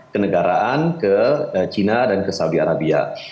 kenegaraan ke cina dan ke saudi arabia